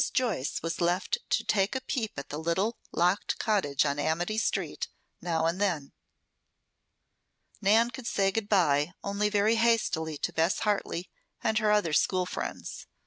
Joyce was left to take a peep at the little, locked cottage on Amity Street, now and then. Nan could say "Goodbye" only very hastily to Bess Harley and her other school friends.